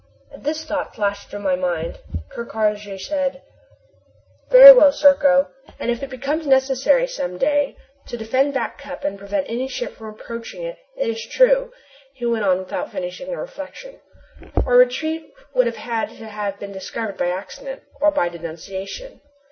As this thought flashed through my mind, Ker Karraje said: "Very well, Serko, and if it becomes necessary some day to defend Back Cup and prevent any ship from approaching it . It is true," he went on, without finishing the reflection, "our retreat would have to have been discovered by accident or by denunciation."